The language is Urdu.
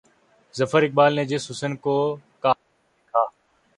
ظفر اقبال نے جس حُسن کو قامت لکھا